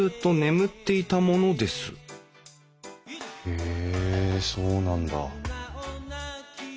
へえそうなんだ。